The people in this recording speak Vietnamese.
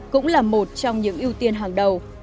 cũng là một trong những ưu tiên hàng đầu